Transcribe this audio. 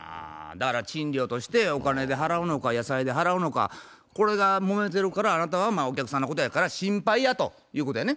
だから賃料としてお金で払うのか野菜で払うのかこれがもめてるからあなたはお客さんのことやから心配やということやね。